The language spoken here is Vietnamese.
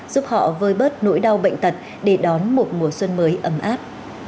giúp họ vơi bớt nỗi đau bệnh tật để đón một mùa xuân mới ấm áp